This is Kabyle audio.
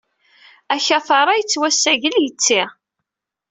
Akatar-a yettwassagel yetti.